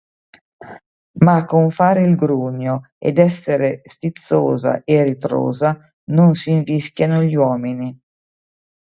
Ma con fare il grugno ed essere stizzosa e ritrosa, non s'invischiano gli uomini.